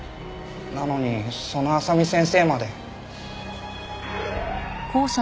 なのにその麻美先生まで。